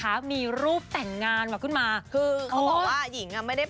แหลังทาง